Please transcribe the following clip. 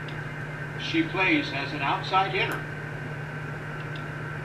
She plays as an Outside hitter.